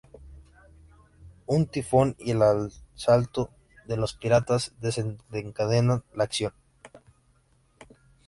Un tifón y el asalto de los piratas desencadenan la acción.